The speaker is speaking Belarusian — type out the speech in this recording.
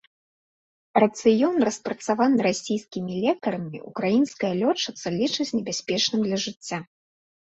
Рацыён, распрацаваны расійскімі лекарамі, украінская лётчыца лічыць небяспечным для жыцця.